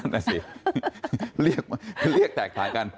นั่นแหละสิเรียกแตกทางกัน